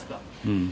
うん。